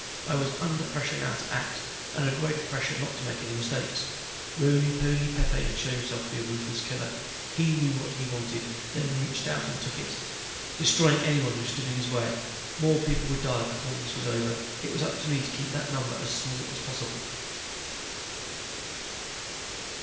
I was under pressure now to act. And under a greater pressure not to make any mistakes. Roly poly Pepe had shown himself to be a ruthless killer. He knew what he wanted then reached out and took it. Destroying anyone who stood in his way. More people would die before this was over, it was up to me to keep that number as small as possible.